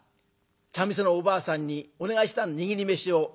茶店のおばあさんにお願いした握り飯を。